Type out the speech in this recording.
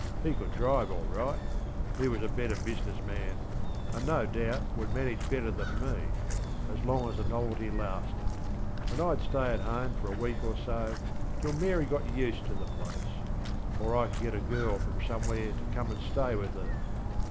He could drive alright; he was a better business man, and no doubt would manage better than meŌĆöas long as the novelty lasted; and IŌĆÖd stay at home for a week or so, till Mary got used to the place, or I could get a girl from somewhere to come and stay with her.